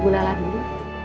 bu lala dulu